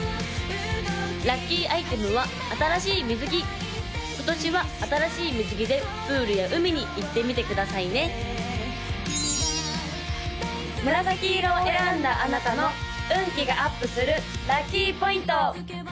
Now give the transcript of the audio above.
・ラッキーアイテムは新しい水着今年は新しい水着でプールや海に行ってみてくださいね紫色を選んだあなたの運気がアップするラッキーポイント！